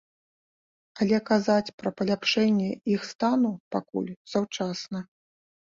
Але казаць пра паляпшэнне іх стану пакуль заўчасна.